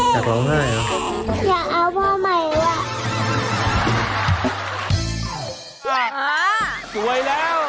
ถ้าหล่อห้ายหลองร้องบ้าได้เหรอ